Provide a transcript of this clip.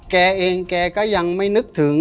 แกเองแกก็ยังไม่นึกถึง